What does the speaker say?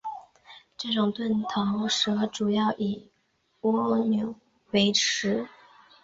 这种钝头蛇主要以蜗牛为食。